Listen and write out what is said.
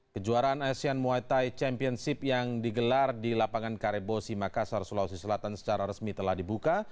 kejuaraan asian muay thai championship yang digelar di lapangan karebosi makassar sulawesi selatan secara resmi telah dibuka